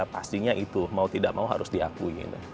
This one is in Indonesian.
pastinya itu mau tidak mau harus diakui